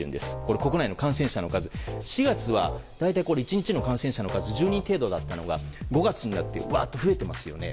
国内の感染者の数４月は大体１日の感染者の数が１０人程度だったのが５月になって増えていますよね。